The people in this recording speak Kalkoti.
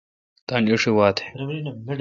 تان اݭی وا تھ۔